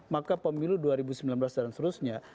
maka pemilu dua ribu sembilan belas dan seterusnya